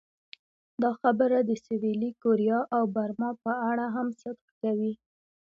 دا خبره د سویلي کوریا او برما په اړه هم صدق کوي.